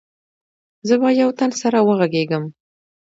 زه به يو تن سره وغږېږم.